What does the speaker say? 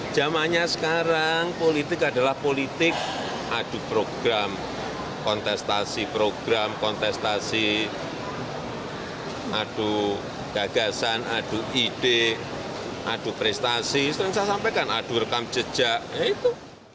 zamannya sekarang politik adalah politik adu program kontestasi program kontestasi adu gagasan adu ide adu prestasi sering saya sampaikan adu rekam jejak ya itu